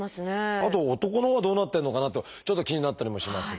あと男のほうはどうなってるのかなとちょっと気になったりもしますが。